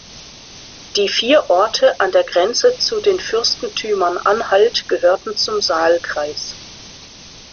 Die vier Orte an der Grenze zu den Fürstentümern Anhalt gehörten zum Saalkreis.